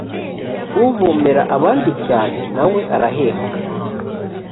uvomera abandi cyane na we arahembwa